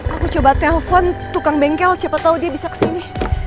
aku coba telpon tukang bengkel siapa tahu dia bisa kesini